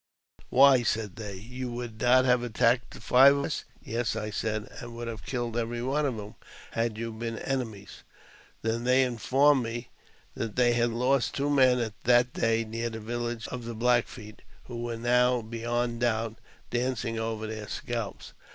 " Why," said they, "you would not have attacked five of us? "Yes," I said, "and would have killed every one of you,J had you been enemies." They then informed me that they had lost two men that day^ near the village of the Black Feet, who were now, beyond doubt, dancing over their scalps.